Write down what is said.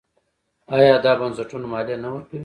آیا دا بنسټونه مالیه نه ورکوي؟